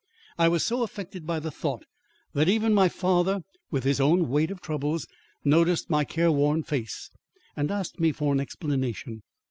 I was so affected by the thought that even my father, with his own weight of troubles, noticed my care worn face and asked me for an explanation.